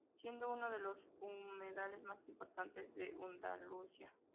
Siendo uno de los humedales más importantes de Andalucía.